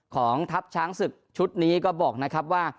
ของทัพช้างศึกชุดนี้ก็บอกนะครับว่า